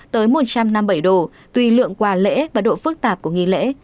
tới một trăm năm mươi bảy đô tùy lượng qua lễ và độ phức tạp của nghỉ lễ